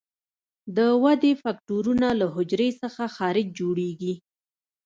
د ودې فکټورونه له حجرې څخه خارج جوړیږي.